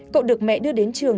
cậu được mẹ đưa đến trường